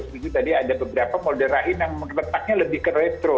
sebelumnya tadi ada beberapa model rahin yang mengetaknya lebih ke retro